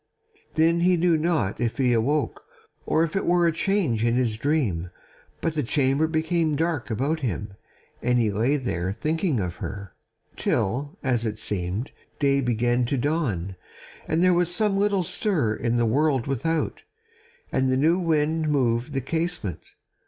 Then he knew not if he awoke, or if it were a change in his dream; but the chamber became dark about him, and he lay there thinking of her, till, as it seemed, day began to dawn, and there was some little stir in the world without, and the new wind moved the casement.